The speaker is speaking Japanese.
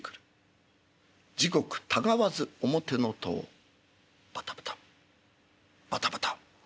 時刻たがわず表の戸をバタバタバタバタ。